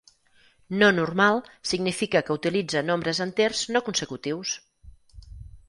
No normal significa que utilitza nombres enters no consecutius.